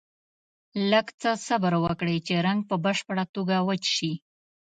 لږ څه صبر وکړئ چې رنګ په بشپړه توګه وچ شي.